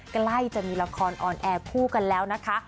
ใกล้จะมีละครออนแอร์คู่กันแล้วนะคะ